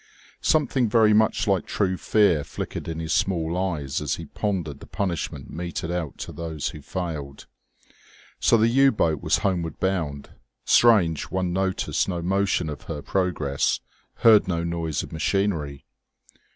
Something very much like true fear flickered in his small eyes as he pondered the punishment meted out to those who failed. So the U boat was homeward bound! Strange one noticed no motion of her progress, heard no noise of machinery.